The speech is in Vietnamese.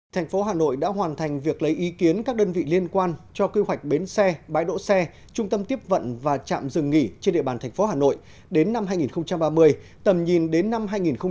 thành phố hà nội đã hoàn thành việc lấy ý kiến các đơn vị liên quan cho quy hoạch bến xe bãi đỗ xe trung tâm tiếp vận và trạm dừng nghỉ trên địa bàn thành phố hà nội đến năm hai nghìn ba mươi tầm nhìn đến năm hai nghìn năm mươi